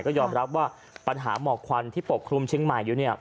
และยอมรับว่าปัญหาเหมาะควันที่ปกครุมเชียงใหม่อยู่